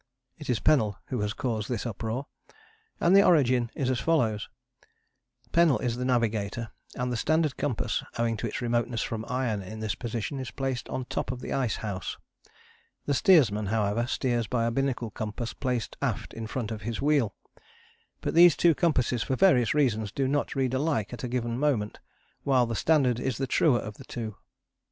It is Pennell who has caused this uproar. And the origin is as follows: Pennell is the navigator, and the standard compass, owing to its remoteness from iron in this position, is placed on the top of the ice house. The steersman, however, steers by a binnacle compass placed aft in front of his wheel. But these two compasses for various reasons do not read alike at a given moment, while the standard is the truer of the two.